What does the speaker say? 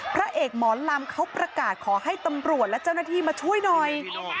พระเอกหมอลำเขาประกาศขอให้ตำรวจและเจ้าหน้าที่มาช่วยหน่อย